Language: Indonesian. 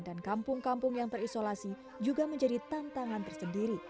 dan kampung kampung yang terisolasi juga menjadi tantangan tersendiri